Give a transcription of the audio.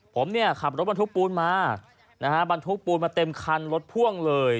ผมเนี่ยขับรถบรรทุกปูนมานะฮะบรรทุกปูนมาเต็มคันรถพ่วงเลย